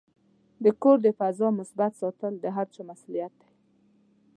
د کور د فضا مثبت ساتل د هر چا مسؤلیت دی.